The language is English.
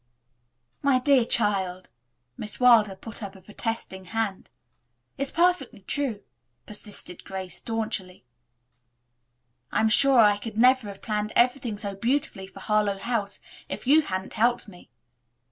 "My dear child!" Miss Wilder put up a protesting hand. "It's perfectly true," persisted Grace staunchly. "I am sure I could never have planned everything so beautifully for Harlowe House if you hadn't helped me."